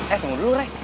eh tunggu dulu rai